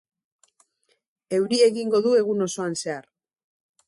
Euria egingo du egun osoan zehar.